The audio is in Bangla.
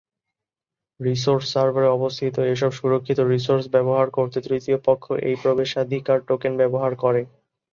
রিসোর্স সার্ভারে অবস্থিত এসব সুরক্ষিত রিসোর্স ব্যবহার করতে তৃতীয় পক্ষ এই প্রবেশাধিকার টোকেন ব্যবহার করে।